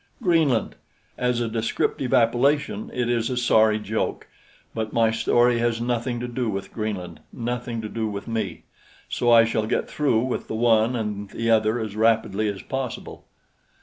Greenland! As a descriptive appellation, it is a sorry joke but my story has nothing to do with Greenland, nothing to do with me; so I shall get through with the one and the other as rapidly as possible.